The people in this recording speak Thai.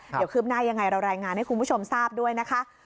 เดี๋ยวคืบหน้ายังไงเรารายงานให้คุณผู้ชมทราบด้วยนะคะ